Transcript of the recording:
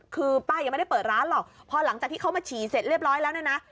คือป้ายังไม่ได้เปิดร้านหรอกพอหลังจากที่เขามาฉี่เสร็จเรียบร้อยแล้วเนี่ยนะ